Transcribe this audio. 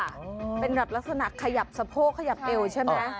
เป็นแบบลักษณะขยับสะโพกขยับเอวใช่ไหม